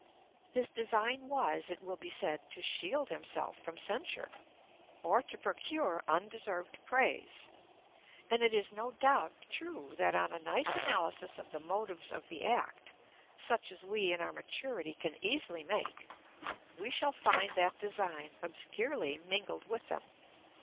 His design was, it will be said, to shield himself from censure, or to procure undeserved praise. And it is, no doubt, true that, on a nice analysis of the motives of the act, such as we, in our maturity, can easily make, we shall find that design obscurely mingled with them.